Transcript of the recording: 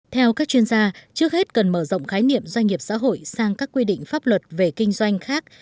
theo các chuyên gia trước hết cần mở rộng khái niệm doanh nghiệp xã hội sang các quy định pháp luật về kinh doanh khác